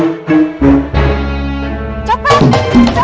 aku can sun